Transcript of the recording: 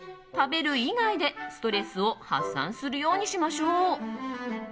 食べる以外で、ストレスを発散するようにしましょう。